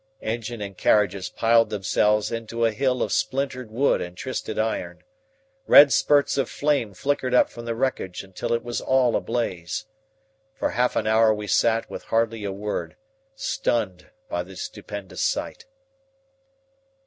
Engine and carriages piled themselves into a hill of splintered wood and twisted iron. Red spurts of flame flickered up from the wreckage until it was all ablaze. For half an hour we sat with hardly a word, stunned by the stupendous sight.